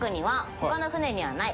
他の船にはない。